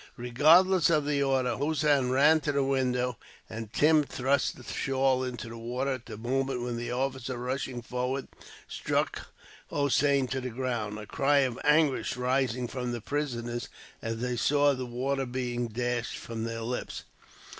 Regardless of the order, Hossein ran to the window, and Tim thrust the shawl into the water at the moment when the officer, rushing forward, struck Hossein to the ground: a cry of anguish rising from the prisoners, as they saw the water dashed from their lips.